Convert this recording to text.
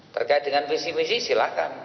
terkait dengan visi misi silahkan